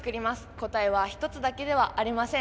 答えは一つだけではありません。